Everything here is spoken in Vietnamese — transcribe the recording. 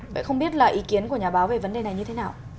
vậy không biết là ý kiến của nhà báo về vấn đề này như thế nào